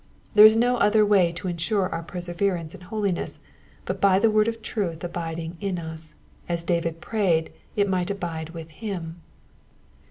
There is no other way to ensure our perseverance in holiness but by the word of truth abiding in us, as David prayed it might abide with him.